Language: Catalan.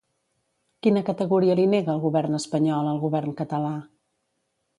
Quina categoria li nega el govern espanyol al govern català?